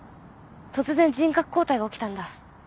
突然人格交代が起きたんだ。